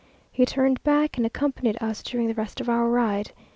He turned back, and accompanied us during the rest of our ride.